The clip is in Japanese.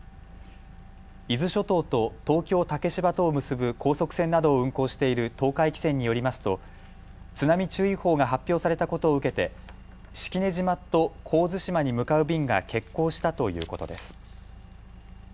伊豆諸島と東京竹芝とを結ぶ高速船などを運航している東海汽船によりますと津波注意報が発表されたことを受けて式根島と神津島に向かう便が欠航したということです。